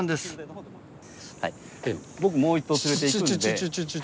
僕もう１頭連れて行くんで。